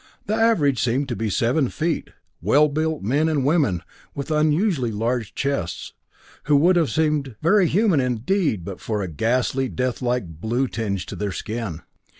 The average seemed to be seven feet well built men and women with unusually large chests, who would have seemed very human indeed, but for a ghastly, death like blue tinge to their skin.